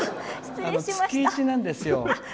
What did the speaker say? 月１なんですよ。